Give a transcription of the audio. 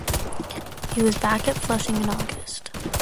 He was back at Flushing in August.